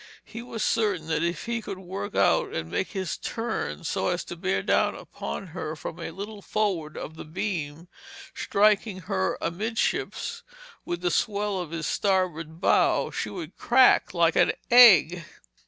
He was certain that if he could work out and make his turn so as to bear down upon her from a little forward of the beam, striking her amidships with the swell of his starboard bow, she would crack like an egg.